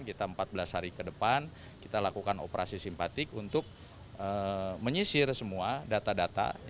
kita empat belas hari ke depan kita lakukan operasi simpatik untuk menyisir semua data data